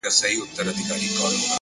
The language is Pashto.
پوه انسان له حقیقت سره مینه لري!.